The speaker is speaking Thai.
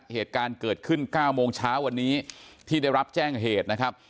เหตุการณ์เกิดขึ้น๙โมงเช้าวันนี้ที่ได้รับแจ้งเหตุนะครับ